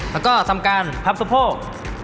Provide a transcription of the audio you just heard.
แล้วก็ทำการพับสะโพก